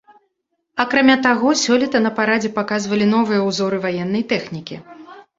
Акрамя таго, сёлета на парадзе паказвалі новыя ўзоры ваеннай тэхнікі.